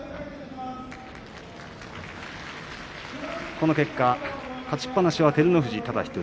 この結果勝ちっぱなしは照ノ富士ただ１人。